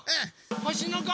ほしのこ。